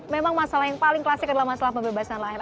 memang masalah yang paling klasik adalah masalah pembebasan lahan